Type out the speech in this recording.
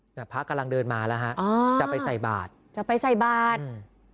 พระพระกำลังเดินมาแล้วฮะจะไปใส่บาตร